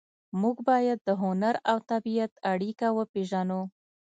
موږ باید د هنر او طبیعت اړیکه وپېژنو